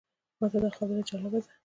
ماته دا خبره جالبه ده.